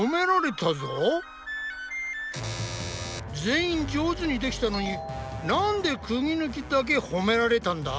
全員上手にできたのになんでクギぬきだけ褒められたんだ？